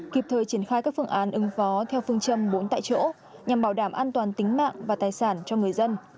kịp thời triển khai các phương án ứng phó theo phương châm bốn tại chỗ nhằm bảo đảm an toàn tính mạng và tài sản cho người dân